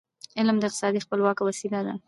علم د اقتصادي خپلواکی وسیله ده.